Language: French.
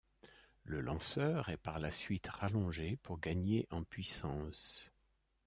Le lanceur est par la suite rallongé pour gagner en puissance.